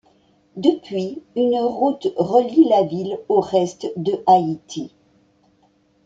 Depuis une route relie la ville au reste de Haïti.